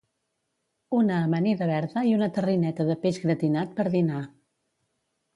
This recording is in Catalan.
Una amanida verda i una tarrineta de peix gratinat per dinar